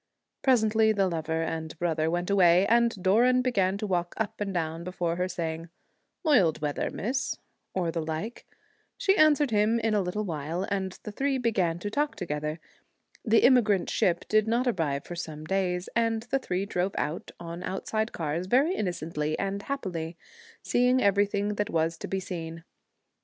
Pre sently the lover and brother went away, and Doran began to walk up and down before her, saying, ' Mild weather, Miss/ or the like. She answered him in a little while, and the three began to talk together. The emigrant ship did not arrive for some days ; and the three drove about on out side cars very innocently and happily, seeing everything that was to be seen.